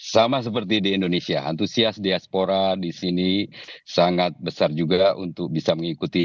sama seperti di indonesia antusias diaspora di sini sangat besar juga untuk bisa mengikuti